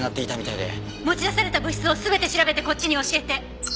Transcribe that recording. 持ち出された物質を全て調べてこっちに教えて。